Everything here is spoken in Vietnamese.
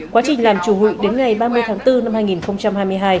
quá trình làm chủ hụi đến ngày ba mươi tháng bốn năm hai nghìn hai mươi hai